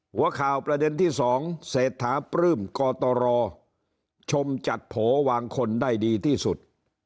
หัวข่าวประเด็นที่๒เศรษฐาปลื้มกตรชมจัดโผวางคนได้ดีที่สุด